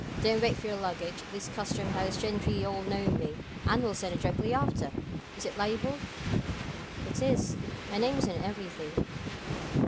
Don't wait for your luggage. These Custom house gentry all know me, and will send it directly after. Is it labelled?" "It is; my name's on everything."